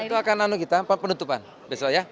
itu akan nanya kita pak penutupan besok ya